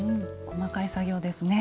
細かい作業ですね。